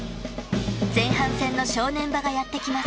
前半戦の正念場がやってきます。